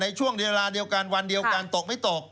ช่วงเวลาเดียวกันวันเดียวกันตกไม่ตก